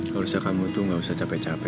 kalau bisa kamu tuh gak usah capek capek